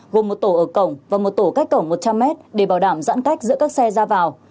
gồm một tổ ở cổng và một tổ cách cổng một trăm linh mét để bảo đảm giãn cách giữa các xe ra vào